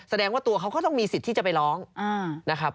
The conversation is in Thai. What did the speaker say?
แสดงว่าตัวเขาก็ต้องมีสิทธิ์ที่จะไปร้องนะครับ